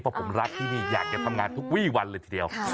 เพราะผมรักที่นี่อยากจะทำงานทุกวี่วันเลยทีเดียว